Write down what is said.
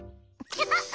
ハハハ！